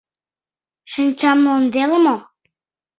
Шинчамлан веле мо?